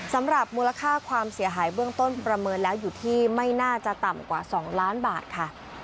สำหรับมูลค่าความเสียหายเบื้องต้นประเมินแล้วอยู่ที่ไม่น่าจะต่ำกว่า๒ล้านบาทค่ะ